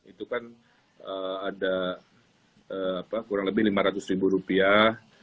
itu kan ada kurang lebih lima ratus ribu rupiah